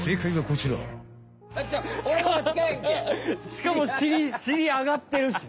しかも尻上がってるし！